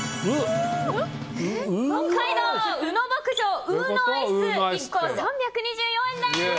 北海道、宇野牧場ウーノアイス、１個３２４円です。